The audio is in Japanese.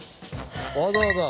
わざわざ。